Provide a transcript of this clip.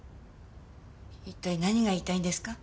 一体何が言いたいんですか？